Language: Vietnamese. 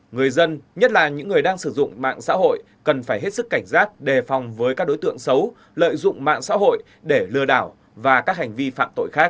người dân nhất là những người đang sử dụng mạng xã hội cần phải hết sức cảnh giác đề phòng với các đối tượng xấu lợi dụng mạng xã hội để lừa đảo và các hành vi phạm tội khác